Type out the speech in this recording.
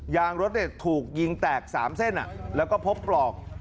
ยางรถถูกยิงแตก๓เส้นแล้วก็พบปลอก